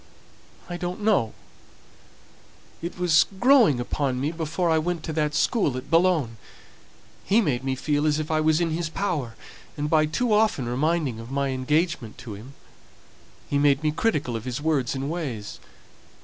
"I don't know. It was growing upon me before I went to that school at Boulogne. He made me feel as if I was in his power; and by too often reminding me of my engagement to him, he made me critical of his words and ways.